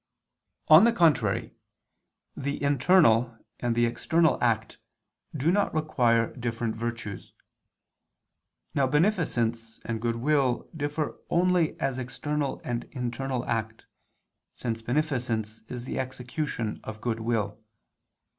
On the contrary, The internal and the external act do not require different virtues. Now beneficence and goodwill differ only as external and internal act, since beneficence is the execution of goodwill.